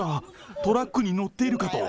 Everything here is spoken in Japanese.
トラックに乗っているかと。